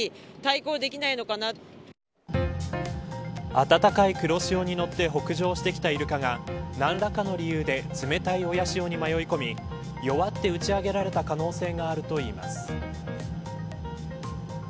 暖かい黒潮に乗って北上してきたイルカが何らかの理由で冷たい親潮に迷い込み弱って打ち上げられた可能性があるといいます。